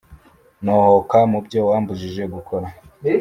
nohoka mubyo wambujije gukora